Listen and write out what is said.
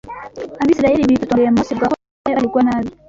Abisirayeli bitotombeye Mose bavuga ko ari we watumye bagirirwa nabi